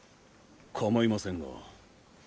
かまいませんが。